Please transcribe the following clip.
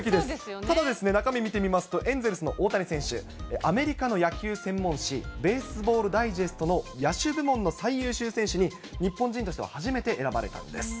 ただ、中身見てみますと、エンゼルスの大谷選手、アメリカの野球専門誌、ベースボールダイジェストの野手部門の最優秀選手に、日本人としては初めて選ばれたんです。